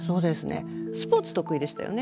スポーツ得意でしたよね？